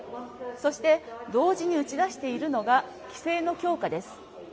そして同時に打ち出しているのが規制の強化です。